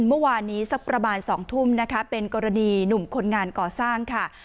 เมื่อวานนี้สักประมาณ๒ทุ่มนะคะเป็นกรณีหนุ่มคนงานก่อสร้างค่ะ